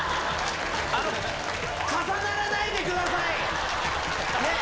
あの、重ならないでください。